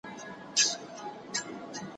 يا غوړ غړی، يا موړ مړی.